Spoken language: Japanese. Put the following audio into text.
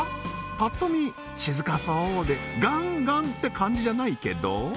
ぱっと見静かそうでガンガン！って感じじゃないけど？